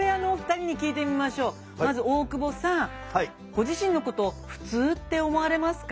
ご自身のこと普通って思われますか？